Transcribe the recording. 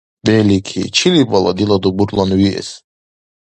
Белики, чили бала, дила дубурлан виэс.